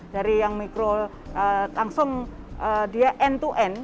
dari yang mikro langsung dia end to end